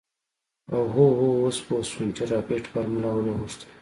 اوهوهو اوس پو شوم چې رابرټ فارموله ولې غوښتله.